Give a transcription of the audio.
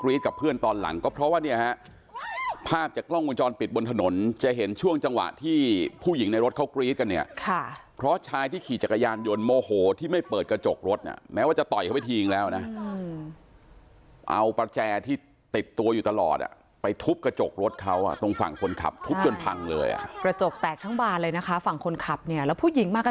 นี่โทรศัพท์ดูนี่นี่โทรศัพท์นี่โทรศัพท์นี่โทรศัพท์นี่โทรศัพท์นี่โทรศัพท์นี่โทรศัพท์นี่โทรศัพท์นี่โทรศัพท์นี่โทรศัพท์นี่โทรศัพท์นี่โทรศัพท์นี่โทรศัพท์นี่โทรศัพท์นี่โทรศัพท์นี่โทรศัพท์นี่โทรศัพท์นี่โทรศัพท์นี่โ